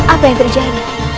apa yang terjadi